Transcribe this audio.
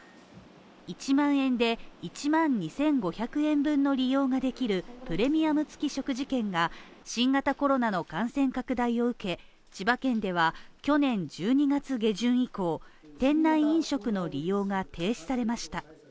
１万円で１万２５００円分の利用ができるプレミアム付き食事券が新型コロナの感染拡大を受け、千葉県では去年１２月下旬以降、店内飲食の利用が停止されました。